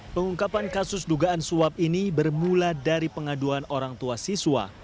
pengungkapan kasus dugaan suap ini bermula dari pengaduan orang tua siswa